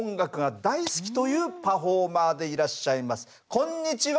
こんにちは。